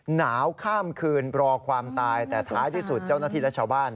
หนาวข้ามคืนรอความตายแต่ท้ายที่สุดเจ้าหน้าที่และชาวบ้าน